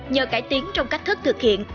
nhờ cải tiến trong cách thức thực hiện